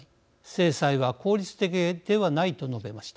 制裁は効率的ではない」と述べました。